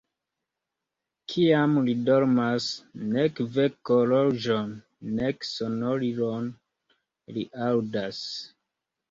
Kiam li dormas, nek vekhorloĝon, nek sonorilon li aŭdas.